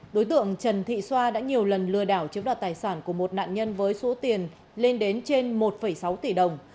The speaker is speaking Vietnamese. đối tượng trần thị xoa đã nhiều lần lừa đảo chiếm đoạt tài sản của một nạn nhân với số tiền lên đến trên một sáu tỷ đồng